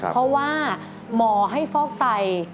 เพราะว่าหมอให้ฟอกไต